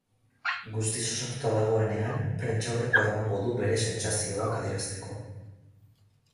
Guztiz osatuta dagoenean prentsaurrekoa emango du bere sentzazioak adierazteko.